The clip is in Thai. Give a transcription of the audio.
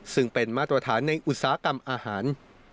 ซึ่งเป็นมาตรฐานในอุตสาหกรรมอาหาร